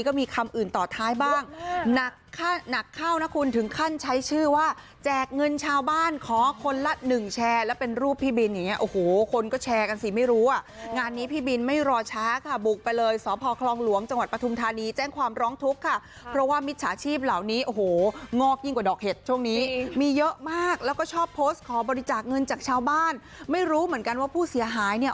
เขาจะมีคำทิศติดปากที่ชอบพูดบ่อย